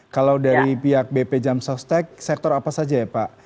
kalau dari pihak bp jam sostek sektor apa saja ya pak